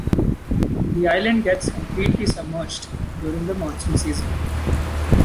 The island gets completely submerged during the monsoon season.